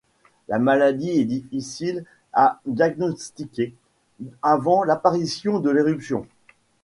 La maladie est difficile à diagnostiquer avant l’apparition de l'éruption.